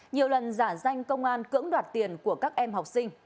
nhiều lần giả danh công an cưỡng đoạt tiền của các em học sinh